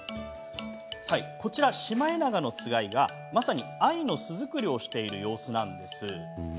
こちら、シマエナガのつがいがまさに愛の巣作りをしている様子。